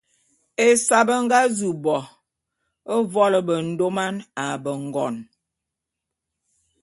Ésae…be nga zu bo a mvolo bendôman a bengon.